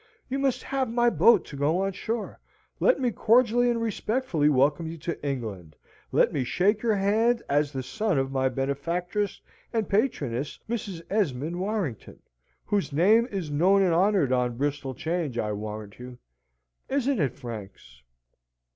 You must have my boat to go on shore. Let me cordially and respectfully welcome you to England: let me shake your hand as the son of my benefactress and patroness, Mrs. Esmond Warrington, whose name is known and honoured on Bristol 'Change, I warrant you. Isn't it, Franks?"